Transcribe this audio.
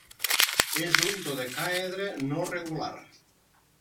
És un dodecàedre no regular.